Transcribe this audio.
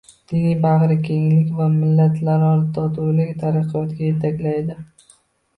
Diniy bag‘rikenglik va millatlararo totuvlik taraqqiyotga yetaklaydi